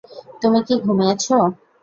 তুমি কি ঘুমিয়েছ?